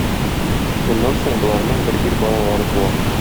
Шуннан соң боларның бер ир балалары туа.